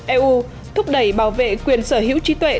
eu thúc đẩy bảo vệ quyền sở hữu trí tuệ